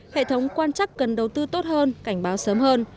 hệ thống quan chắc cần đầu tư tốt hơn cảnh báo sớm hơn